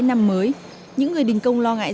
năm mới những người đình công lo ngại